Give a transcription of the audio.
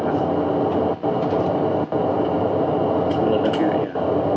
pas meledaknya ya